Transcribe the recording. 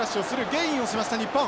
ゲインをしました日本！